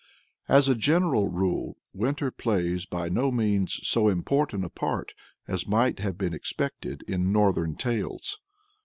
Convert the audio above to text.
As a general rule, Winter plays by no means so important a part as might have been expected in Northern tales.